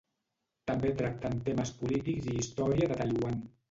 També tracten temes polítics i història de Taiwan.